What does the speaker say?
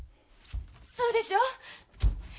そうでしょ？